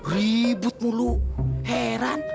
ribut mulu heran